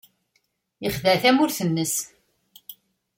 Yexdeɛ tamurt-nnes.